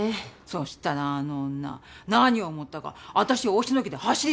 そしたらあの女何を思ったか私を押しのけて走りだしたの。